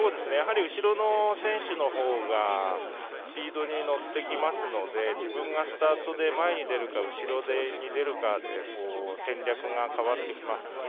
後ろの選手のほうがスピードに乗ってきますので自分がスタートで前に出るか、後ろに出るかで戦略が変わってきます。